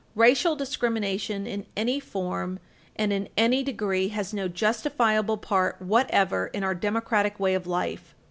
Racial discrimination in any form and in any degree has no justifiable part whatever in our democratic way of life.